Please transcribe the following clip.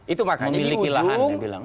itu makanya di ujung